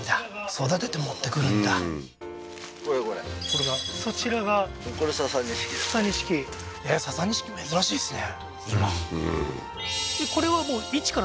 育てて持ってくるんだそちらがこれササニシキササニシキ珍しいですね